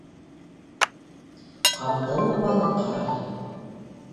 - Ҡаптыңмы, балыҡ ҡарағы!